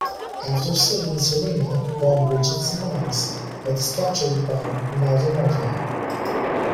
After saving Serena, Bond reaches the mines, but is captured by Nadanova.